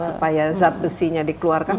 supaya zat besinya dikeluarkan